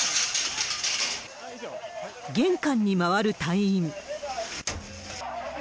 玄関に回る隊員。